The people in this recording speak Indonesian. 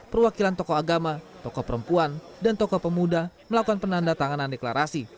perwakilan tokoh agama tokoh perempuan dan tokoh pemuda melakukan penanda tanganan deklarasi